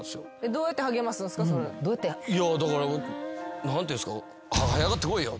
いやだから何ていうんですか。